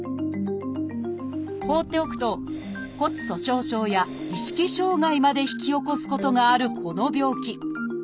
放っておくと骨粗鬆症や意識障害まで引き起こすことがあるこの病気。